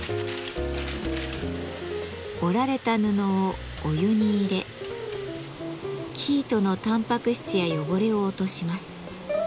織られた布をお湯に入れ生糸のたんぱく質や汚れを落とします。